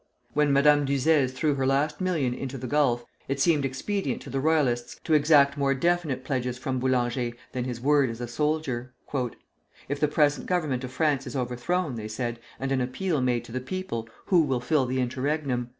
When Madame d'Uzès threw her last million into the gulf, it seemed expedient to the Royalists to exact more definite pledges from Boulanger than his word as a soldier. "If the present Government of France is overthrown," they said, "and an appeal made to the people, who will fill the interregnum?